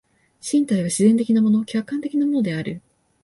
身体は自然的なもの、客観的なものである。